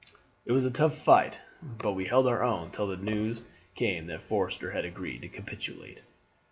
It was a tough fight, but we held our own till the news came that Forster had agreed to capitulate.